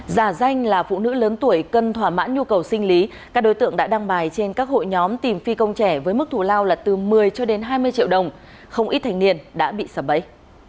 giả danh là phụ nữ lớn tuổi cần thỏa mãn nhu cầu sinh lý các đối tượng đã đăng bài trên các hội nhóm tìm phi công trẻ với mức thù lao là từ một mươi cho đến hai mươi triệu đồng không ít thành niên đã bị sập bẫy